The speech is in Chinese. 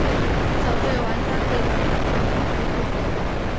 小队玩家可以互相重生和复活。